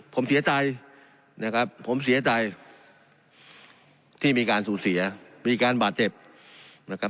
ผมเสียใจนะครับผมเสียใจที่มีการสูญเสียมีการบาดเจ็บนะครับ